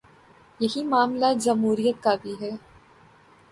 یہی معاملہ جمہوریت کا بھی ہے۔